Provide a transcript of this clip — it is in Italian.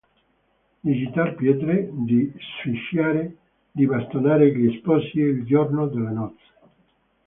Di gittar pietre, di fischiare, di bastonare gli sposi il giorno delle nozze.